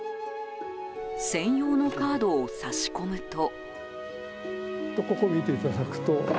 専用のカードを差し込むと。